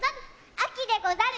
あきでござる！